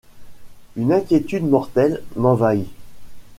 Une inquiétude mortelle m’envahit.